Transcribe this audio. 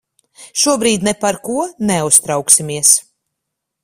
Šobrīd ne par ko neuztrauksimies.